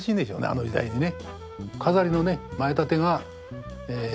あの時代にね。